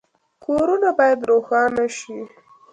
کورونه باید روښانه شي